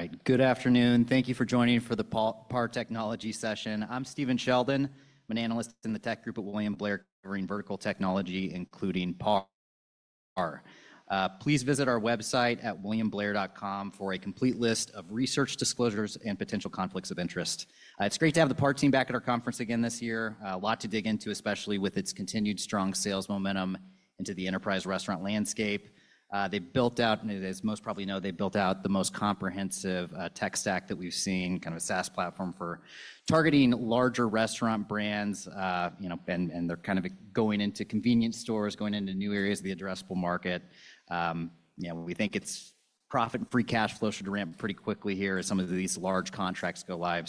All right, good afternoon. Thank you for joining for the PAR Technology session. I'm Stephen Sheldon. I'm an analyst in the tech group at William Blair covering vertical technology, including PAR. Please visit our website at williamblair.com for a complete list of research disclosures and potential conflicts of interest. It's great to have the PAR team back at our conference again this year. A lot to dig into, especially with its continued strong sales momentum into the enterprise restaurant landscape. They built out, as most probably know, they built out the most comprehensive tech stack that we've seen, kind of a SaaS platform for targeting larger restaurant brands, you know, and they're kind of going into convenience stores, going into new areas of the addressable market. You know, we think its profit-free cash flow should ramp pretty quickly here as some of these large contracts go live.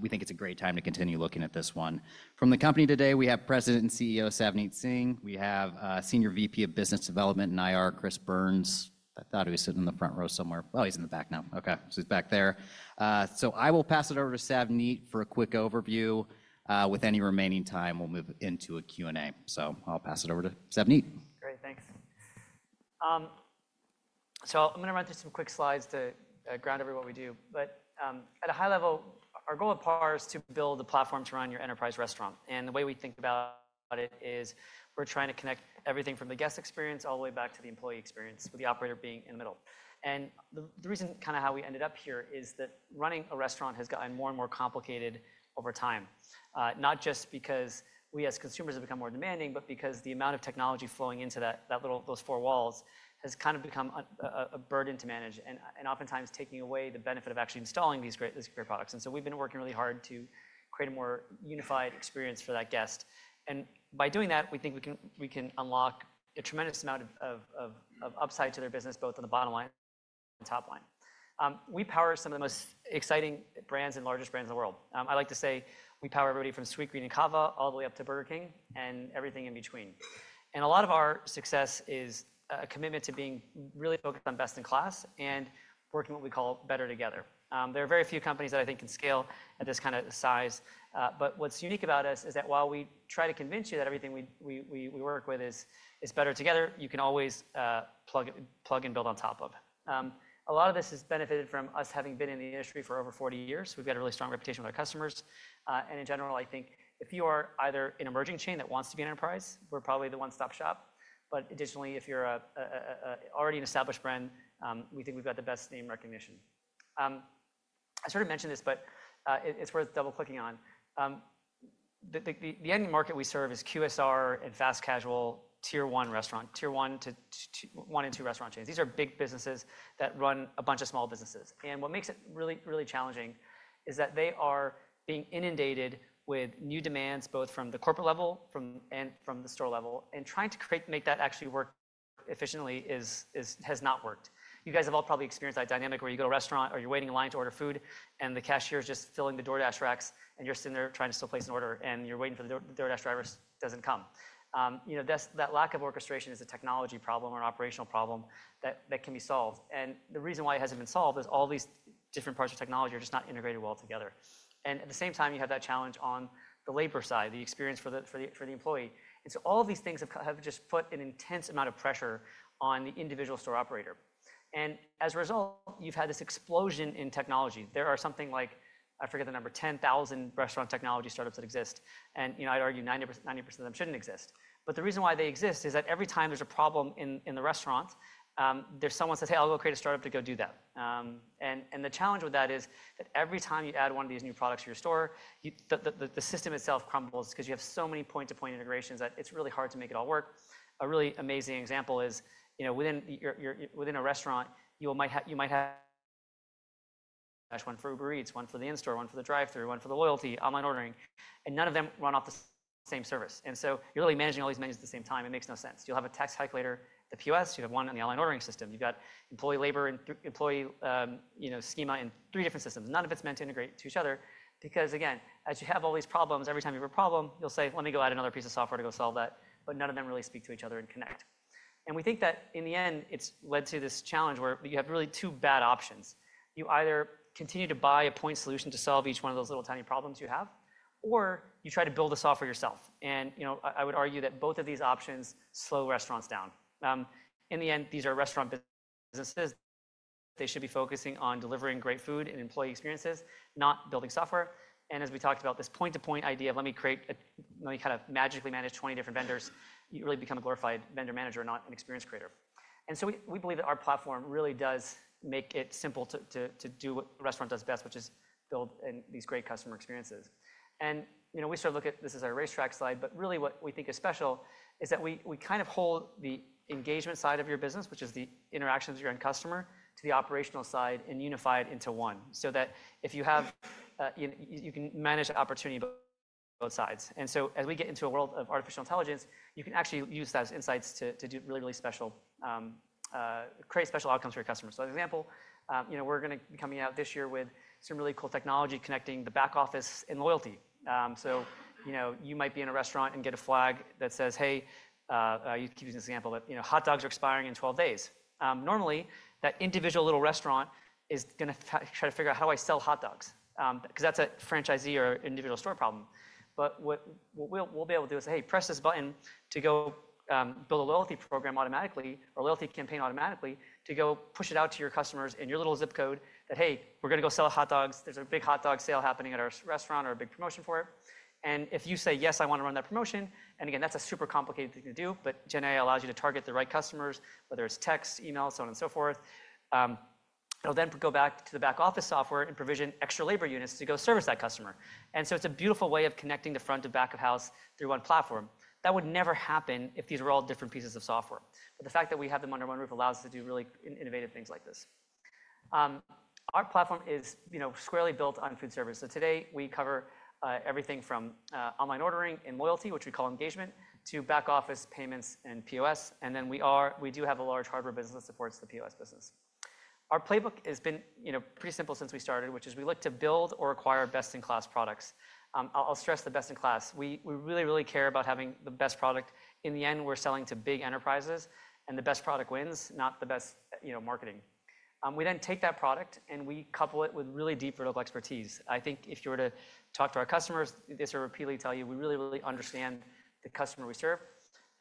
We think it's a great time to continue looking at this one. From the company today, we have President and CEO Savneet Singh. We have Senior VP of Business Development and IR, Chris Byrnes. I thought he was sitting in the front row somewhere. Oh, he's in the back now. Okay, so he's back there. I will pass it over to Savneet for a quick overview. With any remaining time, we'll move into a Q&A. I'll pass it over to Savneet. Great, thanks. I'm going to run through some quick slides to ground everyone in what we do. At a high level, our goal at PAR is to build a platform to run your enterprise restaurant. The way we think about it is we're trying to connect everything from the guest experience all the way back to the employee experience, with the operator being in the middle. The reason kind of how we ended up here is that running a restaurant has gotten more and more complicated over time, not just because we as consumers have become more demanding, but because the amount of technology flowing into those four walls has kind of become a burden to manage and oftentimes takes away the benefit of actually installing these great products. We've been working really hard to create a more unified experience for that guest. By doing that, we think we can unlock a tremendous amount of upside to their business, both on the bottom line and top line. We power some of the most exciting brands and largest brands in the world. I like to say we power everybody from Sweetgreen and Cava all the way up to Burger King and everything in between. A lot of our success is a commitment to being really focused on best in class and working what we call better together. There are very few companies that I think can scale at this kind of size. What's unique about us is that while we try to convince you that everything we work with is better together, you can always plug and build on top of. A lot of this has benefited from us having been in the industry for over 40 years. We've got a really strong reputation with our customers. In general, I think if you are either an emerging chain that wants to be an enterprise, we're probably the one-stop shop. Additionally, if you're already an established brand, we think we've got the best name recognition. I sort of mentioned this, but it's worth double-clicking on. The end market we serve is QSR and fast casual tier one restaurant, tier one to one and two restaurant chains. These are big businesses that run a bunch of small businesses. What makes it really, really challenging is that they are being inundated with new demands, both from the corporate level and from the store level. Trying to create, make that actually work efficiently has not worked. You guys have all probably experienced that dynamic where you go to a restaurant or you're waiting in line to order food, and the cashier is just filling the DoorDash racks, and you're sitting there trying to still place an order, and you're waiting for the DoorDash driver doesn't come. You know, that lack of orchestration is a technology problem or an operational problem that can be solved. The reason why it hasn't been solved is all these different parts of technology are just not integrated well together. At the same time, you have that challenge on the labor side, the experience for the employee. All of these things have just put an intense amount of pressure on the individual store operator. As a result, you've had this explosion in technology. There are something like, I forget the number, 10,000 restaurant technology startups that exist. You know, I'd argue 90% of them shouldn't exist. The reason why they exist is that every time there's a problem in the restaurant, there's someone who says, "Hey, I'll go create a startup to go do that." The challenge with that is that every time you add one of these new products to your store, the system itself crumbles because you have so many point-to-point integrations that it's really hard to make it all work. A really amazing example is, you know, within a restaurant, you might have one for Uber Eats, one for the in-store, one for the drive-thru, one for the loyalty, online ordering, and none of them run off the same service. You're really managing all these menus at the same time. It makes no sense. You'll have a tax calculator, the POS, you have one on the online ordering system. You've got employee labor and employee schema in three different systems. None of it's meant to integrate to each other because, again, as you have all these problems, every time you have a problem, you'll say, "Let me go add another piece of software to go solve that." None of them really speak to each other and connect. We think that in the end, it's led to this challenge where you have really two bad options. You either continue to buy a point solution to solve each one of those little tiny problems you have, or you try to build a software yourself. You know, I would argue that both of these options slow restaurants down. In the end, these are restaurant businesses. They should be focusing on delivering great food and employee experiences, not building software. As we talked about this point-to-point idea of, "Let me create a, let me kind of magically manage 20 different vendors," you really become a glorified vendor manager, not an experience creator. We believe that our platform really does make it simple to do what the restaurant does best, which is build these great customer experiences. You know, we sort of look at this as our racetrack slide, but really what we think is special is that we kind of hold the engagement side of your business, which is the interactions with your end customer, to the operational side and unify it into one so that if you have, you can manage that opportunity both sides. As we get into a world of artificial intelligence, you can actually use those insights to do really, really special, create special outcomes for your customers. As an example, you know, we're going to be coming out this year with some really cool technology connecting the back office and loyalty. You know, you might be in a restaurant and get a flag that says, "Hey," I'll use this example, "but you know, hot dogs are expiring in 12 days." Normally, that individual little restaurant is going to try to figure out how do I sell hot dogs because that's a franchisee or individual store problem. What we'll be able to do is, "Hey, press this button to go build a loyalty program automatically or a loyalty campaign automatically to go push it out to your customers in your little zip code that, hey, we're going to go sell hot dogs. There's a big hot dog sale happening at our restaurant or a big promotion for it. If you say, "Yes, I want to run that promotion," that's a super complicated thing to do, but GenAI allows you to target the right customers, whether it's text, email, so on and so forth. It will then go back to the back office software and provision extra labor units to go service that customer. It is a beautiful way of connecting the front to back of house through one platform. That would never happen if these were all different pieces of software. The fact that we have them under one roof allows us to do really innovative things like this. Our platform is squarely built on food service. Today we cover everything from online ordering and loyalty, which we call engagement, to back office, payments, and POS. We do have a large hardware business that supports the POS business. Our playbook has been pretty simple since we started, which is we look to build or acquire best in class products. I will stress the best in class. We really, really care about having the best product. In the end, we are selling to big enterprises, and the best product wins, not the best marketing. We then take that product and we couple it with really deep vertical expertise. I think if you were to talk to our customers, they sort of repeatedly tell you, "We really, really understand the customer we serve."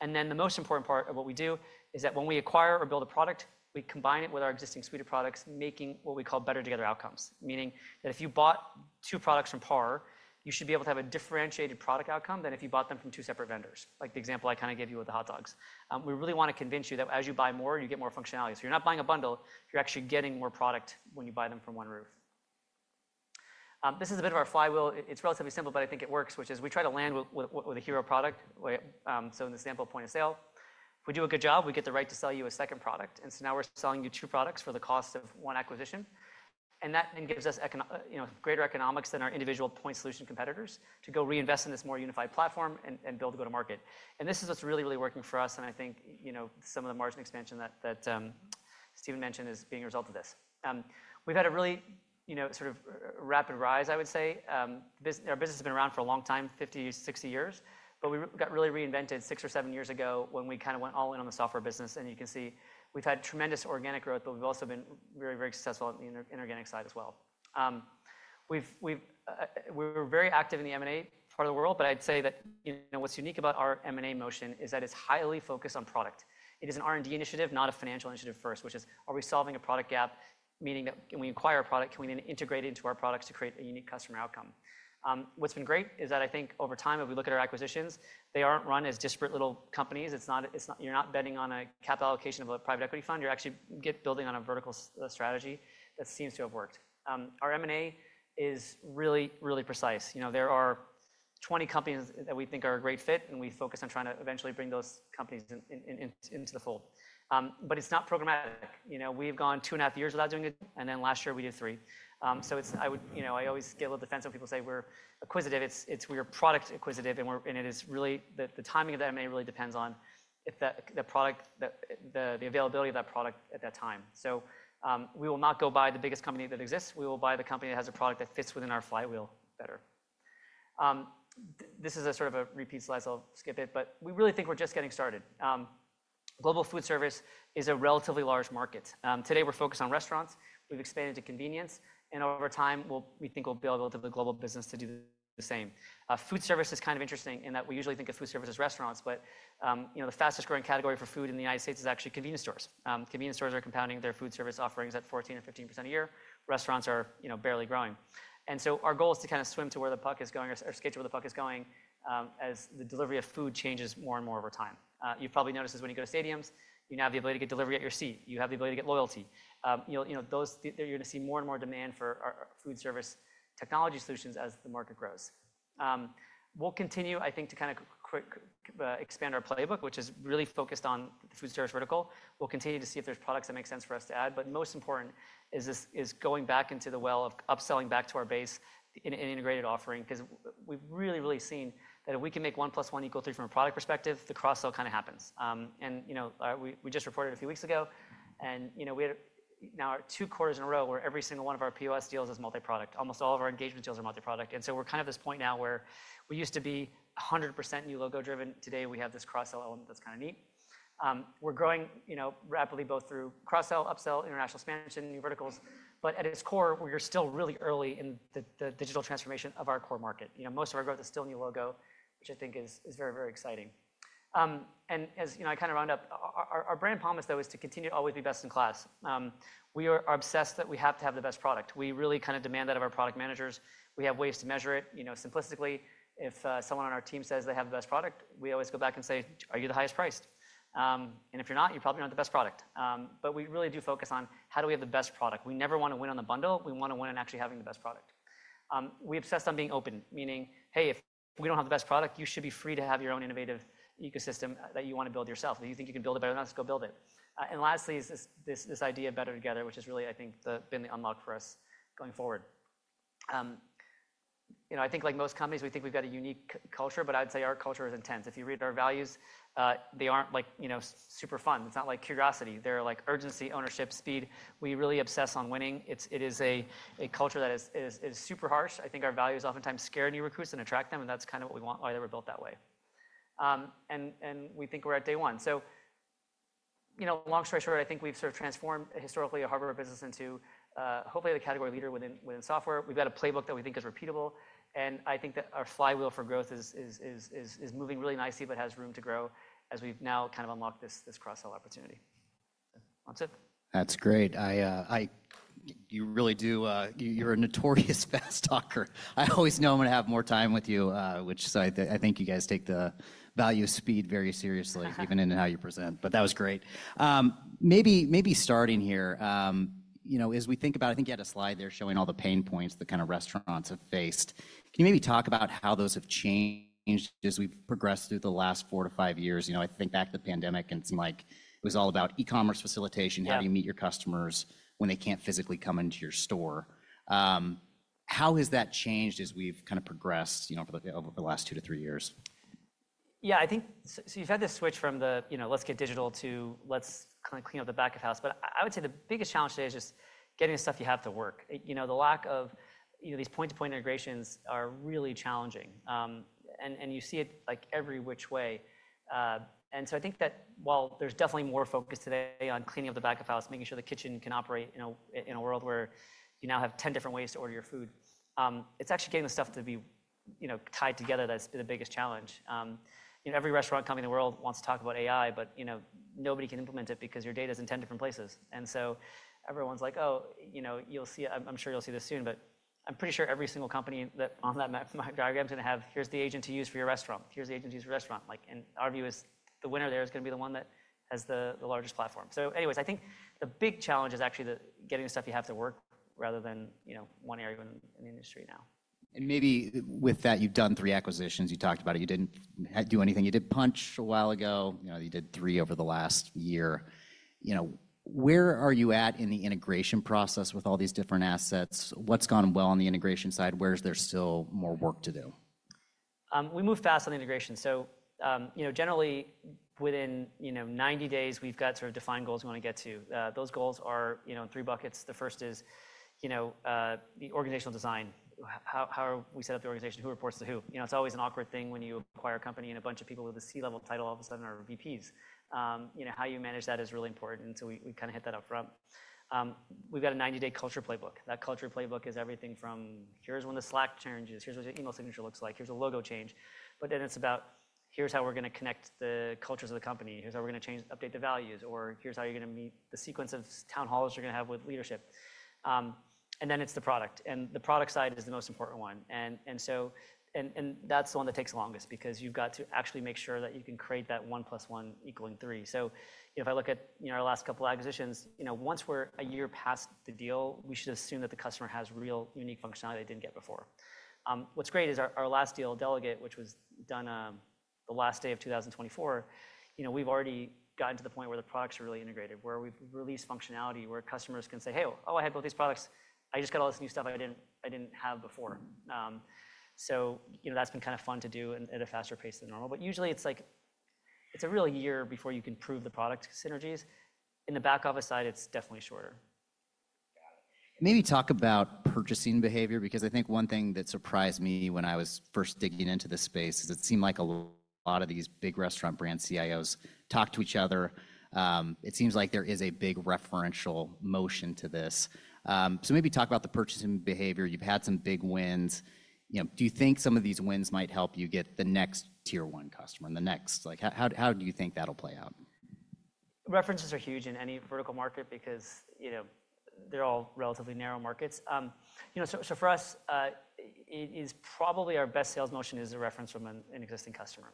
The most important part of what we do is that when we acquire or build a product, we combine it with our existing suite of products, making what we call better together outcomes, meaning that if you bought two products from PAR, you should be able to have a differentiated product outcome than if you bought them from two separate vendors, like the example I kind of gave you with the hot dogs. We really want to convince you that as you buy more, you get more functionality. You are not buying a bundle. You are actually getting more product when you buy them from one roof. This is a bit of our flywheel. It's relatively simple, but I think it works, which is we try to land with a hero product. In the sample point of sale, if we do a good job, we get the right to sell you a second product. Now we're selling you two products for the cost of one acquisition. That then gives us greater economics than our individual point solution competitors to go reinvest in this more unified platform and build a go-to-market. This is what's really, really working for us. I think some of the margin expansion that Stephen mentioned is being a result of this. We've had a really sort of rapid rise, I would say. Our business has been around for a long time, 50, 60 years, but we got really reinvented six or seven years ago when we kind of went all in on the software business. You can see we've had tremendous organic growth, but we've also been very, very successful on the inorganic side as well. We're very active in the M&A part of the world. I'd say that what's unique about our M&A motion is that it's highly focused on product. It is an R&D initiative, not a financial initiative first, which is, are we solving a product gap, meaning that can we acquire a product, can we then integrate it into our products to create a unique customer outcome? What's been great is that I think over time, if we look at our acquisitions, they aren't run as disparate little companies. You're not betting on a capital allocation of a private equity fund. You're actually building on a vertical strategy that seems to have worked. Our M&A is really, really precise. There are 20 companies that we think are a great fit, and we focus on trying to eventually bring those companies into the fold. It's not programmatic. We've gone two and a half years without doing it, and then last year we did three. I always get a little defensive when people say we're acquisitive. We are product acquisitive, and it is really the timing of the M&A really depends on the product, the availability of that product at that time. We will not go buy the biggest company that exists. We will buy the company that has a product that fits within our flywheel better. This is a sort of a repeat slide, so I'll skip it, but we really think we're just getting started. Global food service is a relatively large market. Today we're focused on restaurants. We've expanded to convenience. Over time, we think we'll build a global business to do the same. Food service is kind of interesting in that we usually think of food service as restaurants, but the fastest growing category for food in the United States is actually convenience stores. Convenience stores are compounding their food service offerings at 14% and 15% a year. Restaurants are barely growing. Our goal is to kind of swim to where the puck is going or skate to where the puck is going as the delivery of food changes more and more over time. You probably noticed this when you go to stadiums. You now have the ability to get delivery at your seat. You have the ability to get loyalty. You're going to see more and more demand for food service technology solutions as the market grows. We'll continue, I think, to kind of expand our playbook, which is really focused on the food service vertical. We'll continue to see if there's products that make sense for us to add. Most important is going back into the well of upselling back to our base in an integrated offering because we've really, really seen that if we can make one plus one equal three from a product perspective, the cross-sell kind of happens. We just reported a few weeks ago, and we had now two quarters in a row where every single one of our POS deals is multi-product. Almost all of our engagement deals are multi-product. We're kind of at this point now where we used to be 100% new logo driven. Today we have this cross-sell element that's kind of neat. We're growing rapidly both through cross-sell, upsell, international expansion, new verticals. At its core, we're still really early in the digital transformation of our core market. Most of our growth is still new logo, which I think is very, very exciting. As I kind of round up, our brand promise, though, is to continue to always be best in class. We are obsessed that we have to have the best product. We really kind of demand that of our product managers. We have ways to measure it. Simplistically, if someone on our team says they have the best product, we always go back and say, "Are you the highest priced?" If you're not, you're probably not the best product. We really do focus on how do we have the best product. We never want to win on the bundle. We want to win on actually having the best product. We're obsessed on being open, meaning, "Hey, if we don't have the best product, you should be free to have your own innovative ecosystem that you want to build yourself. If you think you can build it better than us, go build it." Lastly is this idea of better together, which has really, I think, been the unlock for us going forward. I think like most companies, we think we've got a unique culture, but I'd say our culture is intense. If you read our values, they aren't super fun. It's not like curiosity. They're like urgency, ownership, speed. We really obsess on winning. It is a culture that is super harsh. I think our values oftentimes scare new recruits and attract them, and that's kind of what we want, why they were built that way. We think we're at day one. Long story short, I think we've sort of transformed historically a hardware business into hopefully a category leader within software. We've got a playbook that we think is repeatable. I think that our flywheel for growth is moving really nicely, but has room to grow as we've now kind of unlocked this cross-sell opportunity. That's it. That's great. You really do. You're a notorious fast talker. I always know I'm going to have more time with you, which I think you guys take the value of speed very seriously, even in how you present. That was great. Maybe starting here, as we think about, I think you had a slide there showing all the pain points that kind of restaurants have faced. Can you maybe talk about how those have changed as we've progressed through the last four to five years? I think back to the pandemic, and it's like it was all about e-commerce facilitation, how do you meet your customers when they can't physically come into your store? How has that changed as we've kind of progressed over the last two to three years? Yeah, I think so you've had this switch from the, you know, let's get digital to let's kind of clean up the back of house. I would say the biggest challenge today is just getting the stuff you have to work. The lack of these point-to-point integrations are really challenging. You see it like every which way. I think that while there's definitely more focus today on cleaning up the back of house, making sure the kitchen can operate in a world where you now have 10 different ways to order your food, it's actually getting the stuff to be tied together that's been the biggest challenge. Every restaurant company in the world wants to talk about AI, but nobody can implement it because your data is in 10 different places. Everyone's like, "Oh, you'll see, I'm sure you'll see this soon." I'm pretty sure every single company that on that map, my diagram is going to have, "Here's the agent to use for your restaurant. Here's the agent to use for your restaurant." Our view is the winner there is going to be the one that has the largest platform. Anyways, I think the big challenge is actually getting the stuff you have to work rather than one area in the industry now. Maybe with that, you've done three acquisitions. You talked about it. You didn't do anything. You did Punch a while ago. You did three over the last year. Where are you at in the integration process with all these different assets? What's gone well on the integration side? Where is there still more work to do? We move fast on the integration. Generally, within 90 days, we've got sort of defined goals we want to get to. Those goals are in three buckets. The first is the organizational design. How we set up the organization, who reports to who. It's always an awkward thing when you acquire a company and a bunch of people with a C-level title all of a sudden are VPs. How you manage that is really important. We kind of hit that upfront. We've got a 90-day culture playbook. That culture playbook is everything from, "Here's when the Slack changes. Here's what your email signature looks like. Here's a logo change." It is about, "Here's how we're going to connect the cultures of the company. Here's how we're going to update the values." "Here's how you're going to meet the sequence of town halls you're going to have with leadership." The product side is the most important one. That is the one that takes the longest because you've got to actually make sure that you can create that one plus one equaling three. If I look at our last couple of acquisitions, once we're a year past the deal, we should assume that the customer has real unique functionality they didn't get before. What's great is our last deal, Delaget, which was done the last day of 2024, we've already gotten to the point where the products are really integrated, where we've released functionality where customers can say, "Hey, oh, I had both these products. I just got all this new stuff I didn't have before." That's been kind of fun to do at a faster pace than normal. Usually it's like a real year before you can prove the product synergies. In the back office side, it's definitely shorter. Got it. Maybe talk about purchasing behavior because I think one thing that surprised me when I was first digging into this space is it seemed like a lot of these big restaurant brand CIOs talk to each other. It seems like there is a big referential motion to this. Maybe talk about the purchasing behavior. You've had some big wins. Do you think some of these wins might help you get the next tier one customer and the next? How do you think that'll play out? References are huge in any vertical market because they're all relatively narrow markets. For us, it is probably our best sales motion is a reference from an existing customer.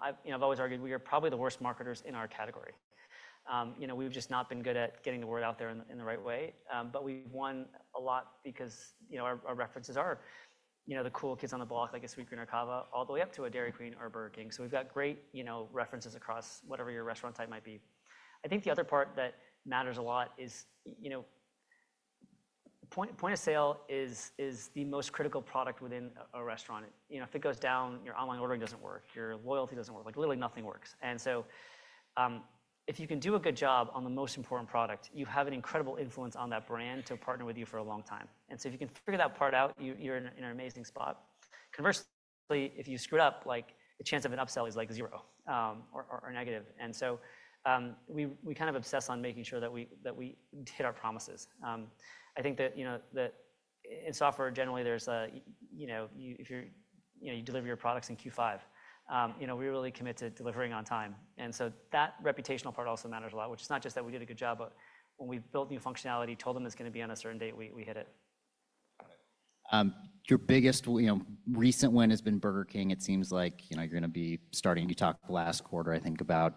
I've always argued we are probably the worst marketers in our category. We've just not been good at getting the word out there in the right way. We've won a lot because our references are the cool kids on the block, like a Sweetgreen or Cava, all the way up to a Dairy Queen or Burger King. We have great references across whatever your restaurant type might be. I think the other part that matters a lot is point of sale is the most critical product within a restaurant. If it goes down, your online ordering does not work. Your loyalty does not work. Literally nothing works. If you can do a good job on the most important product, you have an incredible influence on that brand to partner with you for a long time. If you can figure that part out, you are in an amazing spot. Conversely, if you screw it up, the chance of an upsell is like zero or negative. We kind of obsess on making sure that we hit our promises. I think that in software, generally, if you deliver your products in Q5, we really commit to delivering on time. That reputational part also matters a lot, which is not just that we did a good job, but when we built new functionality, told them it's going to be on a certain date, we hit it. Got it. Your biggest recent win has been Burger King. It seems like you're going to be starting. You talked last quarter, I think, about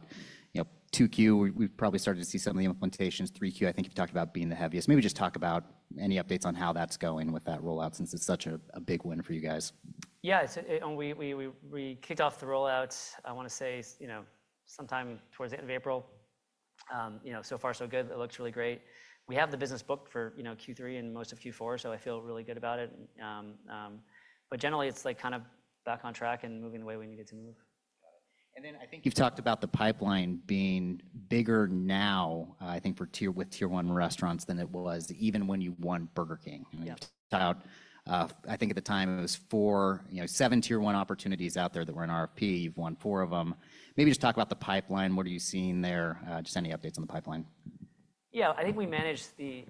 2Q. We've probably started to see some of the implementations. 3Q, I think you've talked about being the heaviest. Maybe just talk about any updates on how that's going with that rollout since it's such a big win for you guys. Yeah, we kicked off the rollout, I want to say, sometime towards the end of April. So far, so good. It looks really great. We have the business book for Q3 and most of Q4, so I feel really good about it. Generally, it's kind of back on track and moving the way we need it to move. Got it. I think you've talked about the pipeline being bigger now, I think, with tier one restaurants than it was even when you won Burger King. I think at the time it was four, seven tier one opportunities out there that were in RFP. You've won four of them. Maybe just talk about the pipeline. What are you seeing there? Just any updates on the pipeline? Yeah, I think we managed the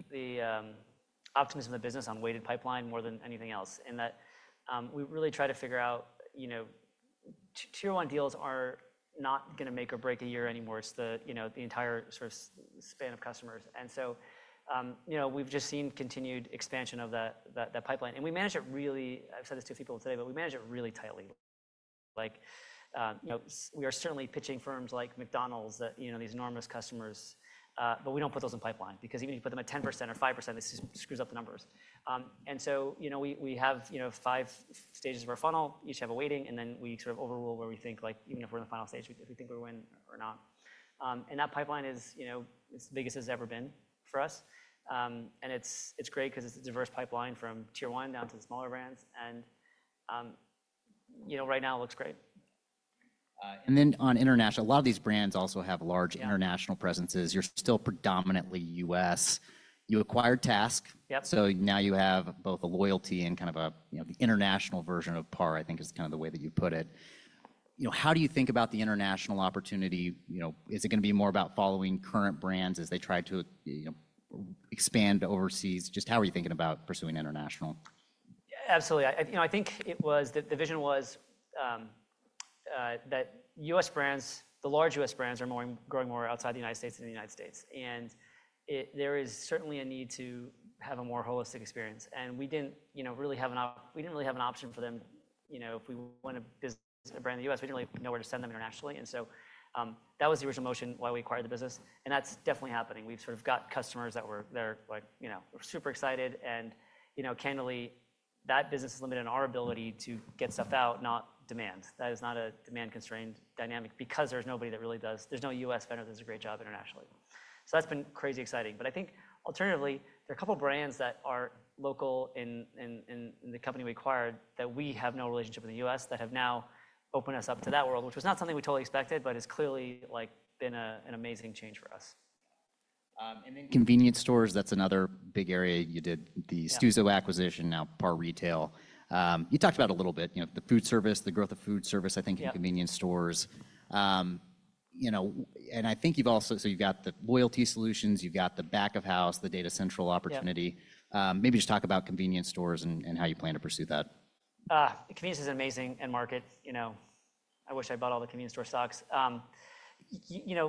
optimism of business on weighted pipeline more than anything else. We really try to figure out tier one deals are not going to make or break a year anymore. It's the entire sort of span of customers. We have just seen continued expansion of that pipeline. We manage it really—I have said this to a few people today—we manage it really tightly. We are certainly pitching firms like McDonald's, these enormous customers, but we do not put those in pipeline because even if you put them at 10% or 5%, this just screws up the numbers. We have five stages of our funnel. Each have a weighting, and then we sort of overrule where we think, even if we are in the final stage, if we think we are winning or not. That pipeline is as big as it has ever been for us. It is great because it is a diverse pipeline from tier one down to the smaller brands. Right now it looks great. On international, a lot of these brands also have large international presences. You are still predominantly U.S. You acquired TASK. Now you have both a loyalty and kind of the international version of PAR, I think is kind of the way that you put it. How do you think about the international opportunity? Is it going to be more about following current brands as they try to expand overseas? Just how are you thinking about pursuing international? Absolutely. I think it was that the vision was that U.S. brands, the large U.S. brands, are growing more outside the United States than the United States. There is certainly a need to have a more holistic experience. We did not really have an option for them. If we want to business a brand in the U.S., we didn't really know where to send them internationally. That was the original motion why we acquired the business. That is definitely happening. We've sort of got customers that were there super excited. Candidly, that business is limited in our ability to get stuff out, not demand. That is not a demand-constrained dynamic because there's nobody that really does. There's no U.S. vendor that does a great job internationally. That has been crazy exciting. I think alternatively, there are a couple of brands that are local in the company we acquired that we have no relationship in the U.S. that have now opened us up to that world, which was not something we totally expected, but has clearly been an amazing change for us. Convenience stores, that's another big area. You did the Stuzo acquisition, now PAR Retail. You talked about a little bit the food service, the growth of food service, I think, in convenience stores. I think you've also—so you've got the loyalty solutions, you've got the back of house, the Data Central opportunity. Maybe just talk about convenience stores and how you plan to pursue that. Convenience is amazing and market. I wish I bought all the convenience store stocks.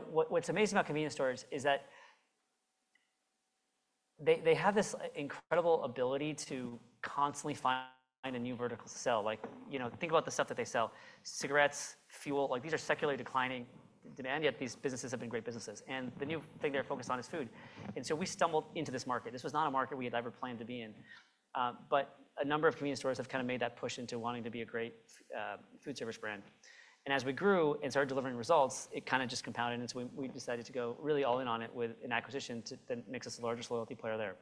What's amazing about convenience stores is that they have this incredible ability to constantly find a new vertical to sell. Think about the stuff that they sell: cigarettes, fuel. These are secularly declining demand, yet these businesses have been great businesses. The new thing they're focused on is food. We stumbled into this market. This was not a market we had ever planned to be in. A number of convenience stores have kind of made that push into wanting to be a great food service brand. As we grew and started delivering results, it kind of just compounded. We decided to go really all in on it with an acquisition that makes us the largest loyalty player there.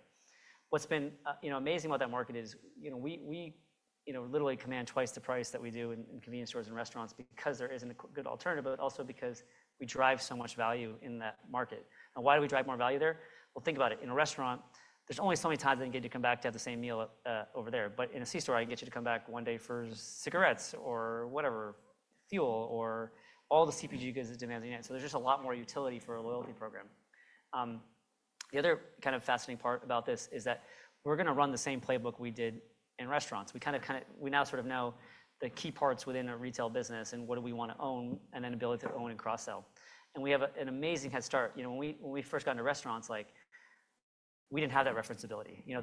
What's been amazing about that market is we literally command twice the price that we do in convenience stores and restaurants because there isn't a good alternative, but also because we drive so much value in that market. Why do we drive more value there? Think about it. In a restaurant, there's only so many times I can get you to come back to have the same meal over there. In a C-store, I can get you to come back one day for cigarettes or whatever, fuel or all the CPG goods that demands a unit. There is just a lot more utility for a loyalty program. The other kind of fascinating part about this is that we're going to run the same playbook we did in restaurants. We now sort of know the key parts within a retail business and what do we want to own and then ability to own and cross-sell. We have an amazing head start. When we first got into restaurants, we did not have that reference ability. There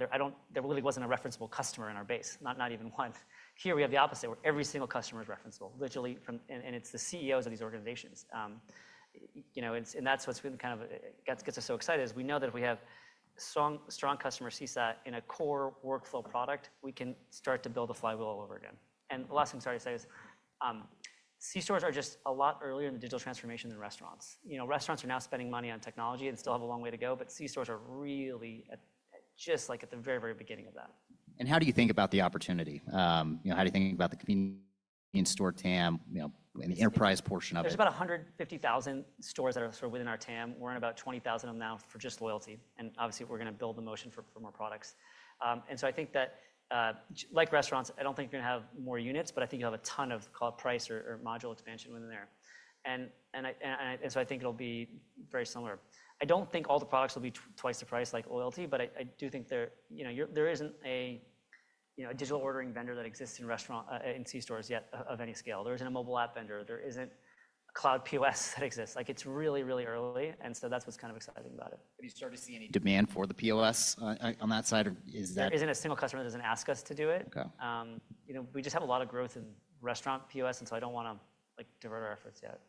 really was not a referenceable customer in our base, not even one. Here, we have the opposite where every single customer is referenceable, literally. It is the CEOs of these organizations. is what has been kind of gets us so excited is we know that if we have strong customer seesat in a core workflow product, we can start to build a flywheel all over again. The last thing I am sorry to say is C-stores are just a lot earlier in the digital transformation than restaurants. Restaurants are now spending money on technology and still have a long way to go, but C-stores are really just at the very, very beginning of that. How do you think about the opportunity? How do you think about the convenience store TAM and the enterprise portion of it? There are about 150,000 stores that are sort of within our TAM. We are in about 20,000 of them now for just loyalty. Obviously, we are going to build the motion for more products. I think that, like restaurants, I do not think you are going to have more units, but I think you will have a ton of price or module expansion within there. I think it will be very similar. I do not think all the products will be twice the price like loyalty, but I do think there is not a digital ordering vendor that exists in restaurant and C-stores yet of any scale. There is not a mobile app vendor. There is not a cloud POS that exists. It is really, really early. That is what is kind of exciting about it. Have you started to see any demand for the POS on that side? There is not a single customer that does not ask us to do it. We just have a lot of growth in restaurant POS, and I do not want to divert our efforts yet.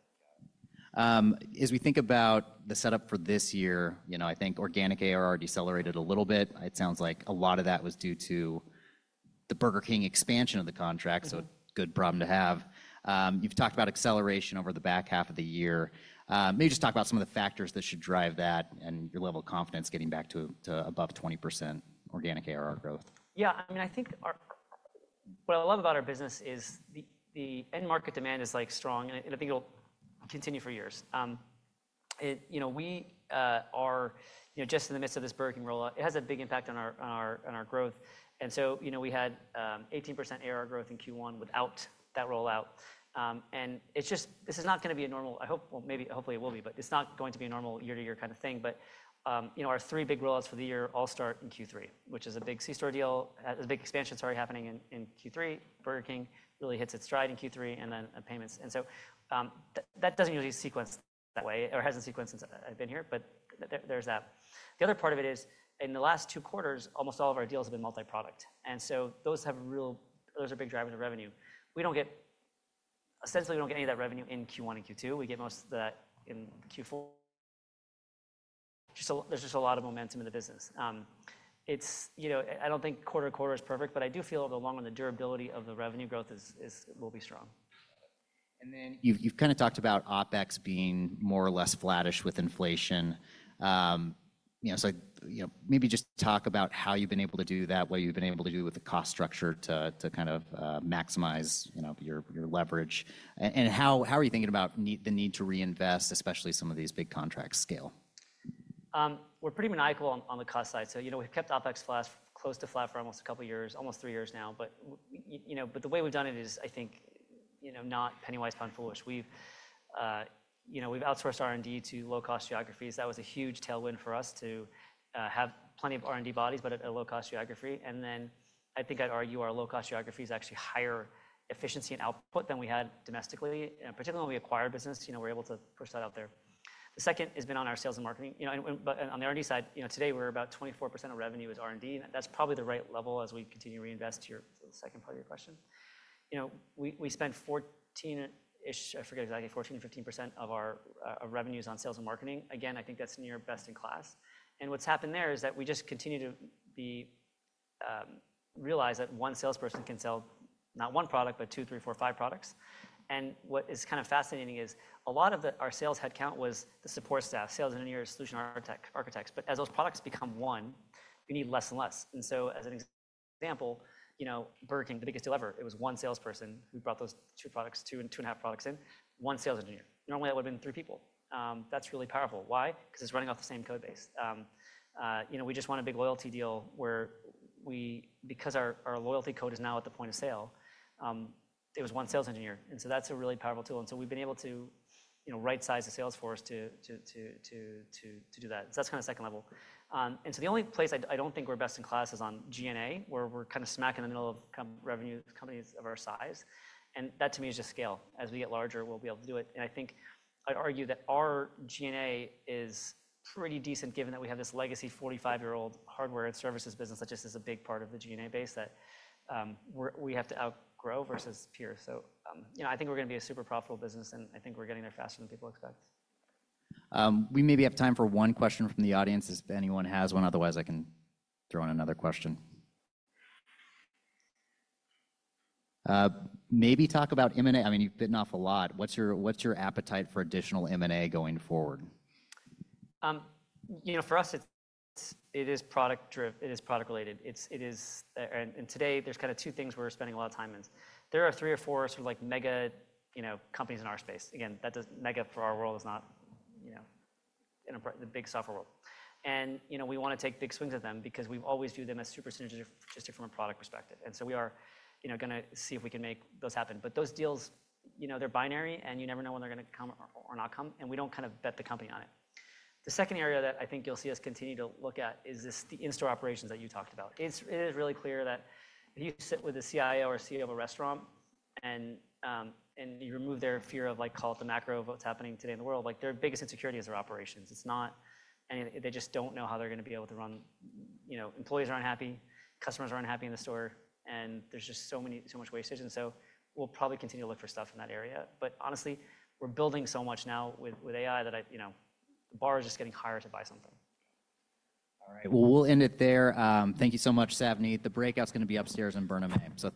As we think about the setup for this year, I think organic ARR decelerated a little bit. It sounds like a lot of that was due to the Burger King expansion of the contract. Good problem to have. You've talked about acceleration over the back half of the year. Maybe just talk about some of the factors that should drive that and your level of confidence getting back to above 20% organic ARR growth. Yeah. I mean, I think what I love about our business is the end market demand is strong, and I think it'll continue for years. We are just in the midst of this Burger King rollout. It has a big impact on our growth. We had 18% ARR growth in Q1 without that rollout. This is not going to be a normal—I hope maybe hopefully it will be, but it's not going to be a normal year-to-year kind of thing. Our three big rollouts for the year all start in Q3, which is a big C-store deal, a big expansion started happening in Q3. Burger King really hits its stride in Q3 and then payments. That doesn't usually sequence that way or hasn't sequenced since I've been here, but there's that. The other part of it is in the last two quarters, almost all of our deals have been multi-product. Those are big drivers of revenue. Essentially, we don't get any of that revenue in Q1 and Q2. We get most of that in Q4. There's just a lot of momentum in the business. I don't think quarter to quarter is perfect, but I do feel over the long run, the durability of the revenue growth will be strong. You have kind of talked about OpEx being more or less flattish with inflation. Maybe just talk about how you've been able to do that, what you've been able to do with the cost structure to kind of maximize your leverage. How are you thinking about the need to reinvest, especially as some of these big contracts scale? We're pretty maniacal on the cost side. We've kept OpEx close to flat for almost a couple of years, almost three years now. The way we've done it is, I think, not pennywise pound foolish. We've outsourced R&D to low-cost geographies. That was a huge tailwind for us to have plenty of R&D bodies, but at a low-cost geography. I think I'd argue our low-cost geography is actually higher efficiency and output than we had domestically, particularly when we acquired business. We're able to push that out there. The second has been on our sales and marketing. On the R&D side, today we're about 24% of revenue is R&D. That's probably the right level as we continue to reinvest here. Second part of your question. We spent 14%-ish, I forget exactly, 14%-15% of our revenues on sales and marketing. Again, I think that's near best in class. What's happened there is that we just continue to realize that one salesperson can sell not one product, but two, three, four, five products. What is kind of fascinating is a lot of our sales headcount was the support staff, sales engineers, solution architects. As those products become one, you need less and less. As an example, Burger King, the biggest deal ever, it was one salesperson who brought those two products, two and a half products in, one sales engineer. Normally, that would have been three people. That's really powerful. Why? Because it's running off the same code base. We just want a big loyalty deal where, because our loyalty code is now at the point of sale, it was one sales engineer. That's a really powerful tool. We've been able to right-size the sales force to do that. That's kind of second level. The only place I don't think we're best in class is on G&A, where we're kind of smack in the middle of revenue companies of our size. That, to me, is just scale. As we get larger, we'll be able to do it. I think I'd argue that our G&A is pretty decent given that we have this legacy 45-year-old hardware and services business that just is a big part of the G&A base that we have to outgrow versus peers. I think we're going to be a super profitable business, and I think we're getting there faster than people expect. We maybe have time for one question from the audience if anyone has one. Otherwise, I can throw in another question. Maybe talk about M&A. I mean, you've bitten off a lot. What's your appetite for additional M&A going forward? For us, it is product-driven. It is product-related. Today, there's kind of two things we're spending a lot of time in. There are three or four sort of mega companies in our space. Again, that doesn't—mega for our world is not the big software world. We want to take big swings at them because we always view them as super strategic from a product perspective. We are going to see if we can make those happen. Those deals are binary, and you never know when they are going to come or not come. We do not kind of bet the company on it. The second area that I think you will see us continue to look at is the in-store operations that you talked about. It is really clear that if you sit with the CIO or CEO of a restaurant and you remove their fear of, call it the macro of what is happening today in the world, their biggest insecurity is their operations. They just do not know how they are going to be able to run. Employees are unhappy. Customers are unhappy in the store. There is just so much wastage. We'll probably continue to look for stuff in that area. Honestly, we're building so much now with AI that the bar is just getting higher to buy something. All right. We'll end it there. Thank you so much, Savneet. The breakout's going to be upstairs in Burnham, Maine.